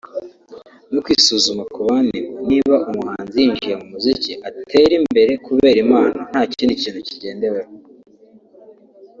no kwisuzuma ku bandi ngo niba umuhanzi yinjiye mu muziki atere imbere kubera impano nta kindi kintu kigendeweho